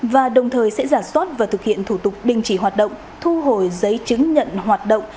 và đồng thời sẽ giả soát và thực hiện thủ tục đình chỉ hoạt động thu hồi giấy chứng nhận hoạt động